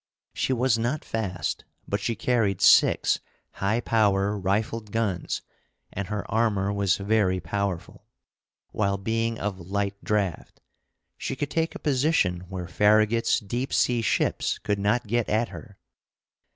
She was not fast, but she carried six high power rifled guns, and her armor was very powerful, while, being of light draft, she could take a position where Farragut's deep sea ships could not get at her.